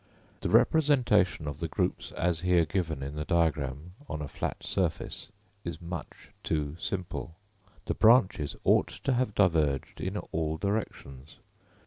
The representation of the groups as here given in the diagram on a flat surface, is much too simple. The branches ought to have diverged in all directions.